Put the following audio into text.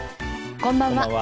こんばんは。